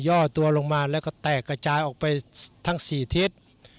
่อตัวลงมาแล้วก็แตกกระจายออกไปทั้ง๔ทิศ